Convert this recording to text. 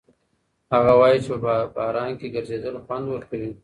هغه وایي چې په باران کې ګرځېدل خوند ورکوي.